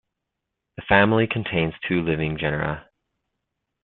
The family contains two living genera.